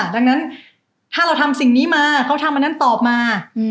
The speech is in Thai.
ดังนั้นถ้าเราทำสิ่งนี้มาเขาทำอันนั้นตอบมา